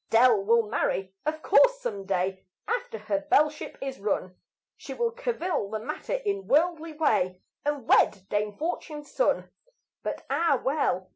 Dell will marry, of course, some day, After her belleship is run; She will cavil the matter in worldly way And wed Dame Fortune's son But, ah, well!